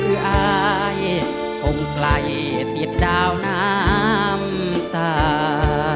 เพื่ออายผมไกลเตี๋ยวดาวน้ำตา